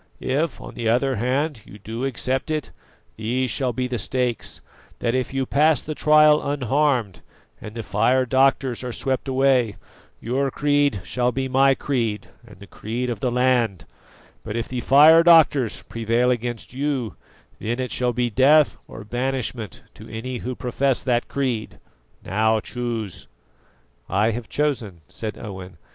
If on the other hand you do accept it, these shall be the stakes: that if you pass the trial unharmed, and the fire doctors are swept away, your creed shall be my creed and the creed of the land; but if the fire doctors prevail against you, then it shall be death or banishment to any who profess that creed. Now choose!" "I have chosen," said Owen.